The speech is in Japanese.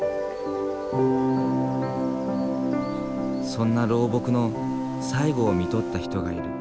そんな老木の最期をみとった人がいる。